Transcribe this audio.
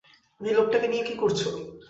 এই লোকটাকে নিয়ে কী করছ?